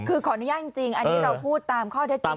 คือขออนุญาตจริงอันนี้เราพูดตามข้อเท็จจริง